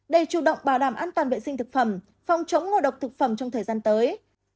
để chủ động bảo đảm an toàn vệ sinh thực phẩm phòng chống ngộ độc thực phẩm trong thời gian tới